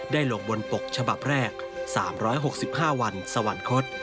ลงบนปกฉบับแรก๓๖๕วันสวรรคต